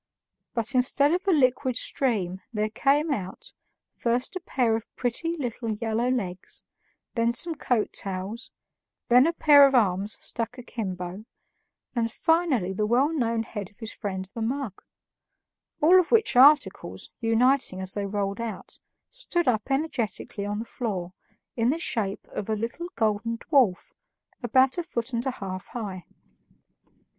But instead of a liquid stream there came out, first a pair of pretty little yellow legs, then some coat tails, then a pair of arms stuck akimbo, and finally the well known head of his friend the mug all which articles, uniting as they rolled out, stood up energetically on the floor in the shape of a little golden dwarf about a foot and a half high.